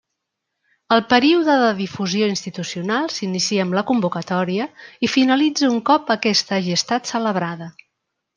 El període de difusió institucional s'inicia amb la convocatòria i finalitza un cop aquesta hagi estat celebrada.